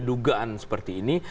dugaan seperti ini